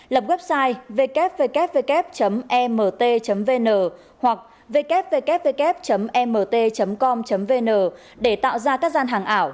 lập website www emt vn hoặc www emt com vn để tạo ra các gian hàng ảo